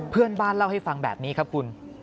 เพื่อนบ้านเล่าให้ฟังแบบนี้ครับคุณ